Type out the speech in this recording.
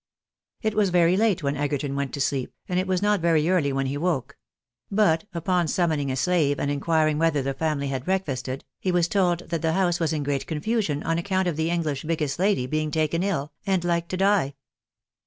It was very late when Egerton went to sleep, and it was not very early when he woke ; but, upon summoning a slave and inquiring whether the family had breakfasted, he was told that the house was in great confusion on account of the English biggest lady being taken ill, and hke to die.